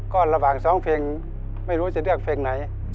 ก็ระหว่างสองเพลงไม่รู้จะเลือกเพลงไหน